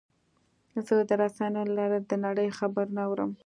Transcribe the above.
زه د رسنیو له لارې د نړۍ خبرونه اورم.